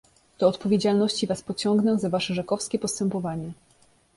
"Do odpowiedzialności was pociągnę za wasze żakowskie postępowanie."